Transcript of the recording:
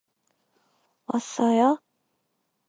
왔어요?